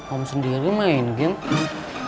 om sendiri main game